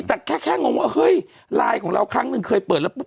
แต่แค่งงว่าเฮ้ยไลน์ของเราครั้งหนึ่งเคยเปิดแล้วปุ